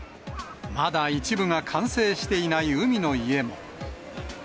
まだ一部が完成していない海の家も。